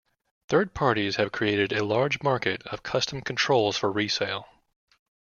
Third parties have created a large market of custom controls for resale.